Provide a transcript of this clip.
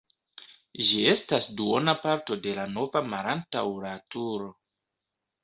Ĝi estas duona parto de la navo malantaŭ la turo.